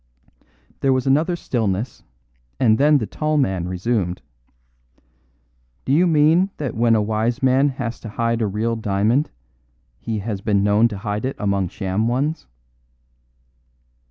There was another stillness, and then the tall man resumed: "Do you mean that when a wise man has to hide a real diamond he has been known to hide it among sham ones?"